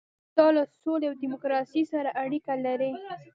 دا له سولې او ډیموکراسۍ سره اړیکه لري.